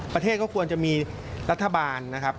ประเทศก็ควรจะมีรัฐบาลนะครับ